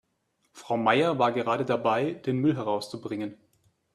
Frau Meier war gerade dabei, den Müll herauszubringen.